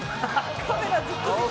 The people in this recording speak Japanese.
カメラずっと見て。